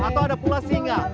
atau ada pula singa